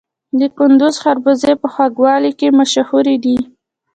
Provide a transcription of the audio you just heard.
د کندز خربوزې په خوږوالي کې مشهورې دي.